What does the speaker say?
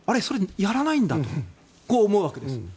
それ、やらないんだとこう思うわけです。